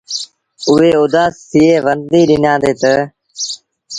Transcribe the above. اُئي اُدآس ٿئي ورنديٚ ڏنآندي تا۔